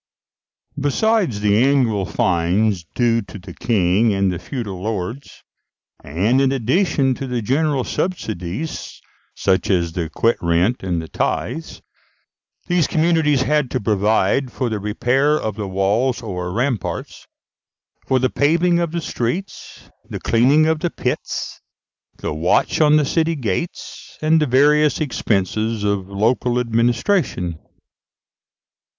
Besides the annual fines due to the King and the feudal lords, and in addition to the general subsidies, such as the quit rent and the tithes, these communities had to provide for the repair of the walls or ramparts, for the paving of the streets, the cleaning of the pits, the watch on the city gates, and the various expenses of local administration.